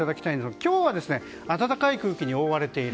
今日は暖かい空気に覆われている。